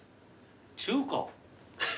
中華？